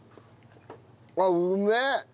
あっうめえ！